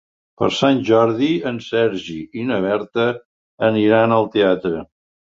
Per Sant Jordi en Sergi i na Berta aniran al teatre.